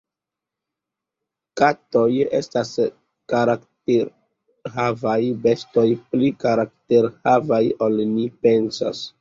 Katoj estas karakterhavaj bestoj, pli karakterhavaj ol ni pensas.